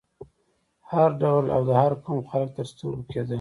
هر ډول او د هر قوم خلک تر سترګو کېدل.